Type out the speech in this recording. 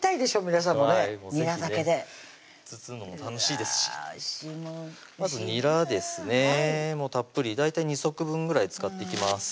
皆さんもね是非ね包むのも楽しいですしまずにらですねもうたっぷり大体２束分ぐらい使っていきます